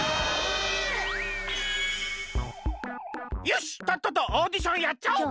よしとっととオーディションやっちゃおう！